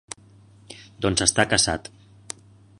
Doncs està casat.